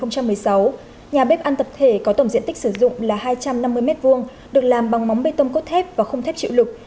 nhà bếp ăn tập thể có tổng diện tích sử dụng là hai trăm năm mươi m hai được làm bằng móng bê tông cốt thép và không thép chịu lực